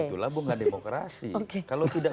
itulah bunga demokrasi kalau tidak